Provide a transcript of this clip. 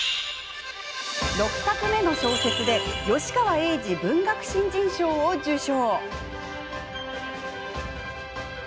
６作目の小説で吉川英治文学新人賞を受賞。